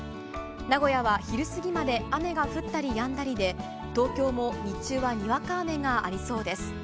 名古屋は昼過ぎまで雨が降ったりやんだりで東京も日中はにわか雨がありそうです。